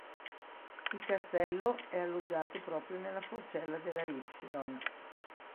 Il Castello è alloggiato proprio nella forcella della "Y".